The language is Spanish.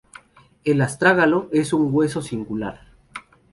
El astrágalo es un hueso singular.